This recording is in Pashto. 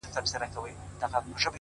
• چي مطلب ته په رسېږي هغه وايي,